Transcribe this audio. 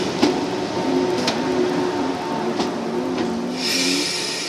ځینې پوهان دا پېښه وچکالۍ له امله ګڼي.